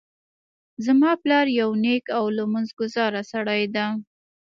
زما پلار یو نیک او لمونځ ګذاره سړی ده